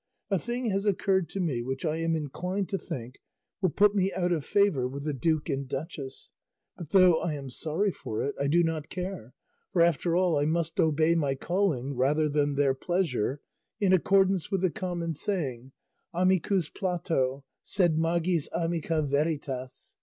A thing has occurred to me which I am inclined to think will put me out of favour with the duke and duchess; but though I am sorry for it I do not care, for after all I must obey my calling rather than their pleasure, in accordance with the common saying, amicus Plato, sed magis amica veritas.